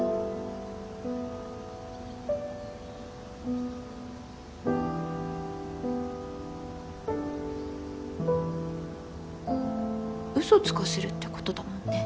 ツーツーうそつかせるってことだもんね